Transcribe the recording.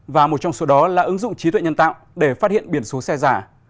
và một trong số đó là ứng dụng trí tuệ nhân tạo để phát hiện biển số xe giả